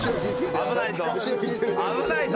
危ないぞ。